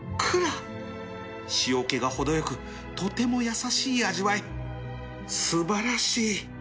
塩気がほどよくとても優しい味わい素晴らしい